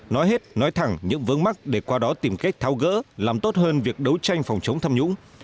nói hết nói thẳng những vướng mắt để qua đó tìm cách tháo gỡ làm tốt hơn việc đấu tranh phòng chống tham nhũng